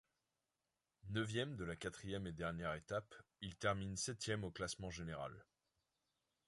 Neuvième de la quatrième et dernière étape, il termine septième au classement général.